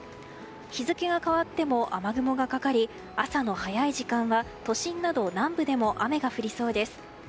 日付が変わっても雨雲がかかり朝の早い時間は都心など南部でも雨が降りそうです。